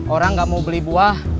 orang nggak mau beli buah